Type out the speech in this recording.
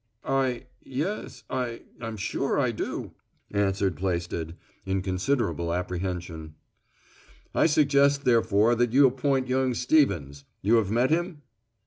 "I yes I'm sure I do," answered Plaisted, in considerable apprehension. "I suggest therefore that you appoint young Stevens you have met him?"